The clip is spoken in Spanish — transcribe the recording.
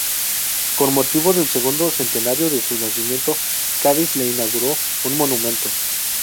Con motivo del segundo centenario de su nacimiento, Cádiz le inauguró un monumento.